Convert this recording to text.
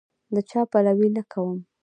د چا پلوی نه کوم.